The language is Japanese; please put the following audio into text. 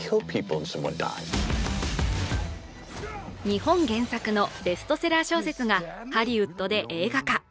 日本原作のベストセラー小説がハリウッドで映画化。